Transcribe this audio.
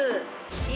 今。